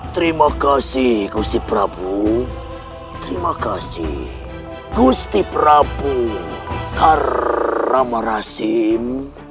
terima kasih gusti prabu terima kasih gusti prabu karamarasim